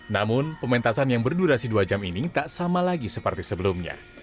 namun pementasan yang berdurasi dua jam ini tak sama lagi seperti sebelumnya